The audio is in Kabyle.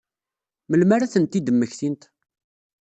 Melmi ara ad tent-id-mmektint?